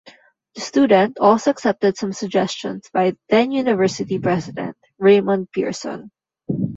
"The Student" also accepted some suggestions by then university president Raymond Pearson.